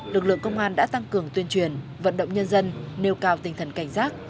lực lượng công an đã tăng cường tuyên truyền vận động nhân dân nêu cao tinh thần cảnh giác